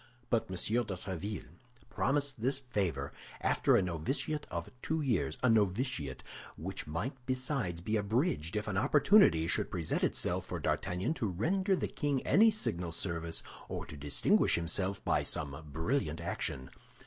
But M. de Tréville promised this favor after a novitiate of two years—a novitiate which might besides be abridged if an opportunity should present itself for D'Artagnan to render the king any signal service, or to distinguish himself by some brilliant action.